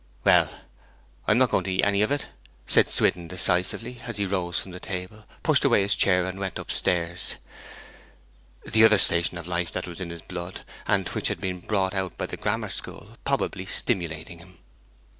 "' 'Well, I am not going to eat any of it!' said Swithin decisively, as he rose from the table, pushed away his chair, and went up stairs; the 'other station of life that was in his blood,' and which had been brought out by the grammar school, probably stimulating him.